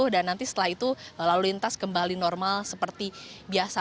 dan nanti setelah itu lalu lintas kembali normal seperti biasa